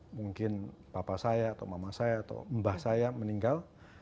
mungkin bapak saya atau mama saya atau mbah saya meninggal